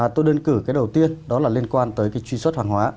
tôi đơn cử cái đầu tiên đó là liên quan tới cái truy xuất hàng hóa